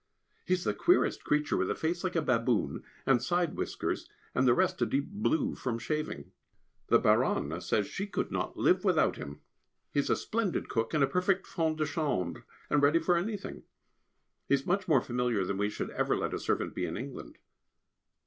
He is the queerest creature, with a face like a baboon, and side whiskers, and the rest a deep blue from shaving. The Baronne says she could not live without him; he is a splendid cook, and a perfect femme de chambre, and ready for anything. He is much more familiar than we should ever let a servant be in England.